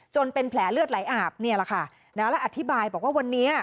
จนเป็นแผลเลือดไหลอาบแล้วอธิบายว่าวันนี้